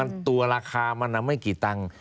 มันตัวราคามันนำให้กี่ตังค์